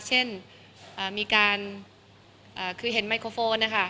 เช่นมีการคือเห็นไมโครโฟนนะคะ